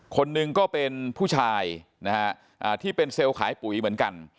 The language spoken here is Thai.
คนหนึ่งก็เป็นผู้ชายนะฮะที่เป็นเซลล์ขายปุ๋ยเหมือนกัน